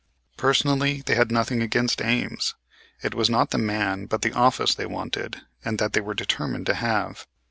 Personally they had nothing against Ames. It was not the man but the office they wanted, and that they were determined to have.